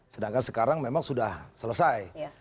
sedangkan sekarang memang sudah selesai